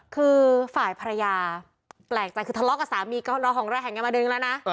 คือฝ่ายภรรยาแปลกใจคือทะเลาะกับสามีก็ระห่องระแหงกันมาดึงแล้วนะ